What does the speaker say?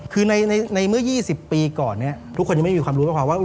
คือในเมื่อ๒๐ปีก่อนเนี่ยทุกคนยังไม่มีความรู้ด้วยความว่า